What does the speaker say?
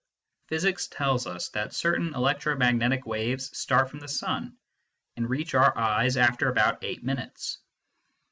Physics tells us that certain electromagnetic waves start from the sun, and reach our eyes after about eight minutes.